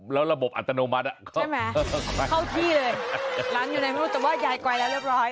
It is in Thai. แล้วระบบอัตโนมัติอ่ะใช่มั้ยเข้าที่เลยล้ำอยู่ถ้าว่ายายไกวแล้วเรียบร้อย